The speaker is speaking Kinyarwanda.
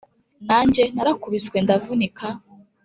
nanjye, narakubiswe ndavunika,